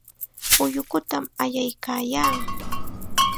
Ullukutam allaykaayaa.